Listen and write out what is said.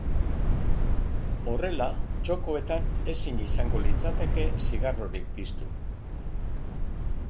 Horrela, txokoetan ezin izango litzateke zigarrorik piztu.